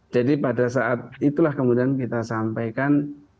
jadi pada saat itulah kemudian kita sampaikan